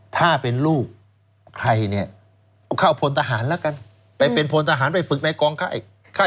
ถ้าเป็นลูกใครเนี่ยเอาเข้าพลทหารแล้วกันไปเป็นพลทหารไปฝึกในกองค่าย